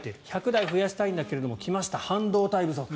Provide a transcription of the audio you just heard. １００台増やしたいんだけど来ました、半導体不足。